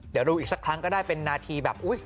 เดี๋ยวดูอีกสักครั้งก็ได้เป็นนาทีแบบอุ๊ย